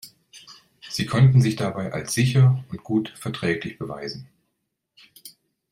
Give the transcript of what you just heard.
Sie konnten sich dabei als sicher und gut verträglich beweisen.